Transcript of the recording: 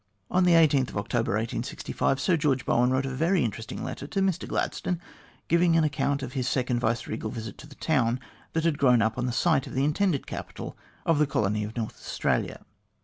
On November 18, 1865, Sir George Bowen wrote a very interesting letter to Mr Gladstone, giving an account of his second vice regal visit to the town that had grown up on the site of the intended capital of the colony of North Australia.